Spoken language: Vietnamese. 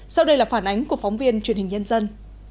sau đây là phản ánh của phóng viên truyền hình nhân dân